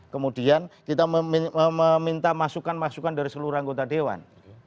kemudian kita meminta masukan masukan dari seluruh anggota dewan